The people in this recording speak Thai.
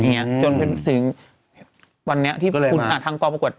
อย่างนี้จนถึงวันนี้ที่คุณอาทางกองประกวด